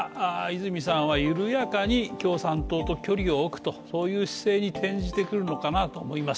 泉さんは緩やかに共産党と距離を置くと、そういう姿勢に転じてくるのかなと思います